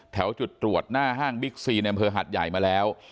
แถวจุดตรวจหน้าห้างบิ๊กซีในบริเวณภาคหัดใหญ่มาแล้ว